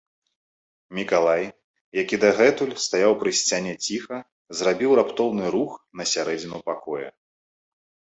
Мікалай, які дагэтуль стаяў пры сцяне ціха, зрабіў раптоўны рух на сярэдзіну пакоя.